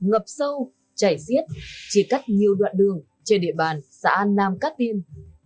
không quá nhiều lúc nước lũ dâng cao ngập sâu chảy diết chỉ cắt nhiều đoạn đường trên địa bàn xã nam cát tiên